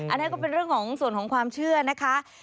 อันนี้ก็เป็นเรื่องของส่วนของความเชื่อนะคะ